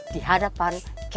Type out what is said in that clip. di hadapan keteknya